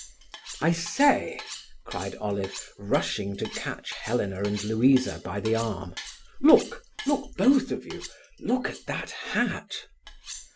"I say," cried Olive, rushing to catch Helena and Louisa by the arm, "look—look—both of you—look at that hat!"